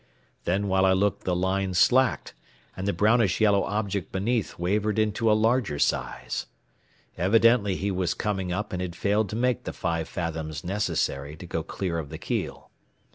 Then while I looked the line slacked, and the brownish yellow object beneath wavered into a larger size. Evidently he was coming up and had failed to make the five fathoms necessary to go clear of the keel.